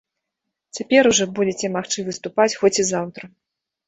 Цяпер ужо будзеце магчы выступаць хоць і заўтра.